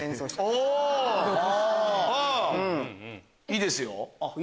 いいですよ。